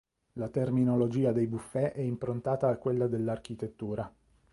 La terminologia dei "buffet" è improntata a quella dell'architettura.